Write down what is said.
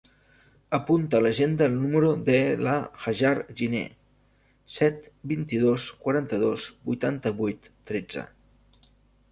Apunta a l'agenda el número de la Hajar Giner: set, vint-i-dos, quaranta-dos, vuitanta-vuit, tretze.